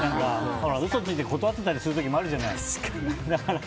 嘘ついて断ってたりすることもあるじゃない。